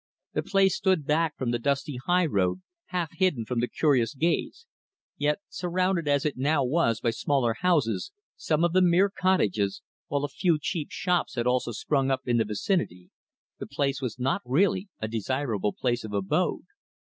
The place stood back from the dusty high road, half hidden from the curious gaze, yet, surrounded as it now was by smaller houses, some of them mere cottages, while a few cheap shops had also sprung up in the vicinity, the place was not really a desirable place of abode.